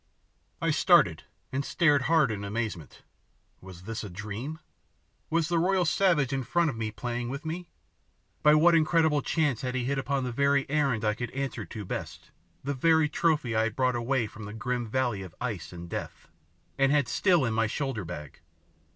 I started, and stared hard in amazement. Was this a dream? Was the royal savage in front playing with me? By what incredible chance had he hit upon the very errand I could answer to best, the very trophy I had brought away from the grim valley of ice and death, and had still in my shoulder bag?